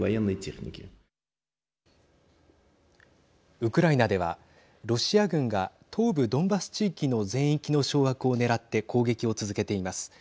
ウクライナではロシア軍が東部ドンバス地域の全域の掌握をねらって攻撃を続けています。